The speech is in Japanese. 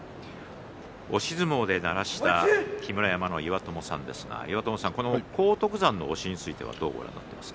押し相撲で鳴らした木村山の岩友さんですが荒篤山の押しについてはどう見ますか？